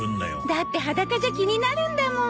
だって裸じゃ気になるんだもん。